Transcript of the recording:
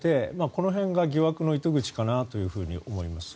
この辺が疑惑の糸口かなと思います。